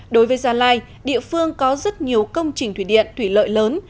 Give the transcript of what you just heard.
đối với gia lai địa phương có rất nhiều công trình thủy điện thủy lợi lớn